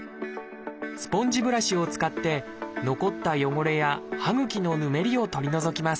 スポンジブラシを使って残った汚れや歯ぐきのぬめりを取り除きます。